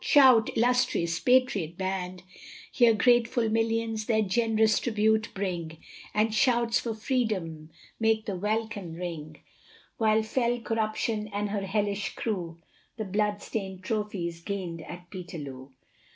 shout! illustrious patriot band, Here grateful millions their generous tribute bring, And shouts for freedom make the welkin ring, While fell corruption and her hellish crew The blood stained trophies gained at Peterloo.